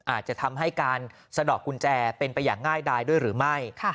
อาจจะทำให้การสะดอกกุญแจเป็นไปอย่างง่ายดายด้วยหรือไม่